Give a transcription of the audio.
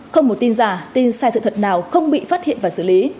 không một tin giả tin sai sự thật nào không bị phát hiện và xử lý